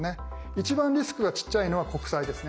一番リスクがちっちゃいのは国債ですね。